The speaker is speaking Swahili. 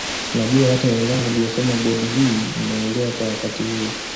Najua hata wenzangu mliosoma bodi hii mnaielewa kwa wakati huo